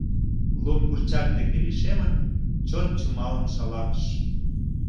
лум курчак деке лишемын, чот чумалын шалатыш.